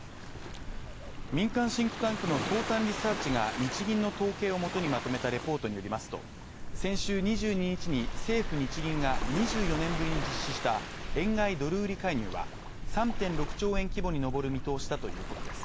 民間シンクタンクの東短リサーチが日銀の統計をもとにまとめたリポートによりますと、先週２２日に政府日銀が２４年ぶりに実施した円買い・ドル売り介入は、３．６兆円規模に上る見通しだということです。